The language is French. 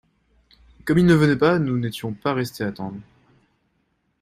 Comme il ne venait pas, nous n'étions pas restés attendre.